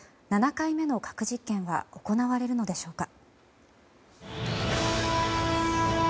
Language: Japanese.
７回目の核実験は行われるのでしょうか。